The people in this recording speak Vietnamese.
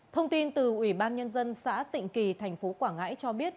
thông tin từ ủy ban nhân dân xã tịnh kỳ tp quảng ngãi cho biết